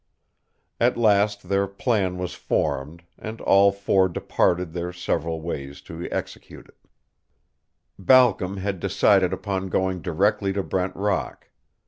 At last their plan was formed, and all four departed their several ways to execute it. Balcom had decided upon going directly to Brent Rock.